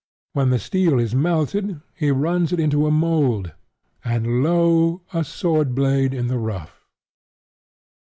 When the steel is melted he runs it into a mould; and lo! a sword blade in the rough.